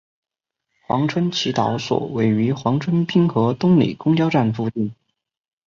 黄村祈祷所位于黄村滨河东里公交站附近。